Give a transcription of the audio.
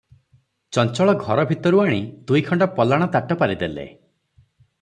ଚଞ୍ଚଳ ଘର ଭିତରୁ ଆଣି ଦୁଇଖଣ୍ଡ ପଲାଣ ତାଟ ପାରିଦେଲେ ।